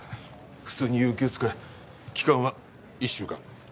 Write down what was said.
普通に有給使え期間は１週間